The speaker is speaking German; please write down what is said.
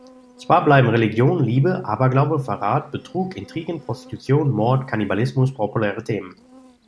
Zwar bleiben Religion, Liebe, Aberglaube, Verrat, Betrug, Intrigen, Prostitution, Mord, Kannibalismus populäre Themen.